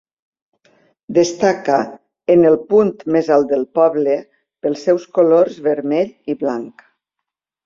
Destaca, en el punt més alt del poble, pels seus colors vermell i blanc.